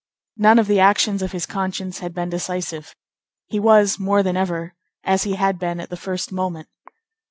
None of the actions of his conscience had been decisive. He was, more than ever, as he had been at the first moment.